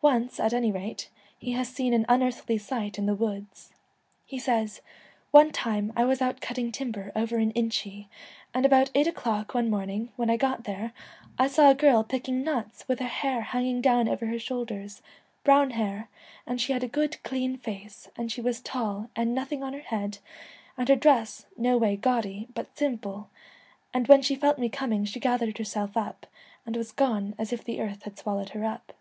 Once, at any rate, he has seen an unearthly sight in the woods. He says, 1 One time I was out cutting timber over in Inchy, and about eight o'clock one morning when I got there I saw a girl picking nuts, with her hair hanging down over her shoulders, brown hair, and she had a good, clean face, and she was tall and nothing on her head, and her dress no way gaudy but simple, and when she felt me coming she gathered herself up and was gone as if the earth had swal 103 The lowed her up.